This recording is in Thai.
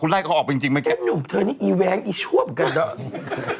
คุณไล่เขาออกไปจริงเมื่อกี้แกหนูเธอนี่อีแวงอีช่วง